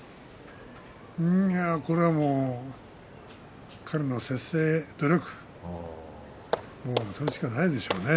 それは彼の摂生、努力それしかないでしょうね。